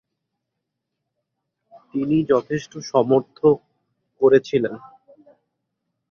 তিনি যথেষ্ট সমর্থ করেছিলেন।